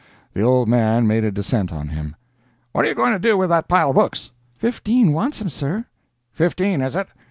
The old man made a descent on him: "What are you going to do with that pile of books?" "Fifteen wants 'em, sir." "Fifteen, is it?